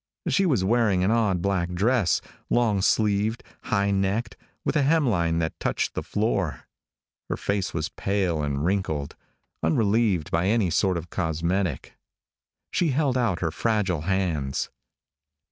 She was wearing an odd black dress, long sleeved, high necked, with a hemline that touched the floor. Her face was pale and wrinkled, unrelieved by any sort of cosmetic. She held out her fragile hands.